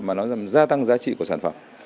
mà nó ra tăng giá trị của sản phẩm